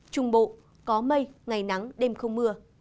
trung bộ có mây ngày nắng đêm không mưa